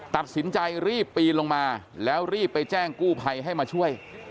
ตัดสินใจรีบปีนลงมาแล้วรีบไปแจ้งกู้ภัยให้มาช่วย